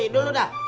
yoi dulu dah